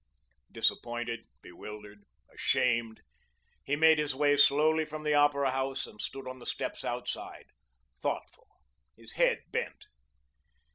Disappointed, bewildered, ashamed, he made his way slowly from the Opera House and stood on the steps outside, thoughtful, his head bent.